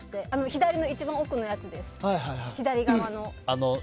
左の一番奥のやつです。